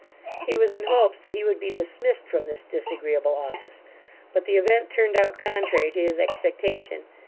He was in hopes that he would be dismissed from this disagreeable office, but the event turned out contrary to his expectation.